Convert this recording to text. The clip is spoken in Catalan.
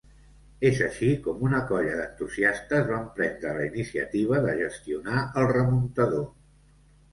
És així com una colla d'entusiastes van prendre la iniciativa de gestionar el remuntador.